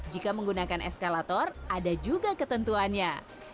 jika menggunakan eskalator ada juga ketentuannya